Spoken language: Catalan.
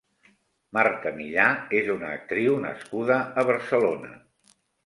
Marta Millà és una actriu nascuda a Barcelona.